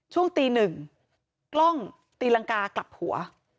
ช่วงตีหนึ่งกล้องตีรังกากลับหัว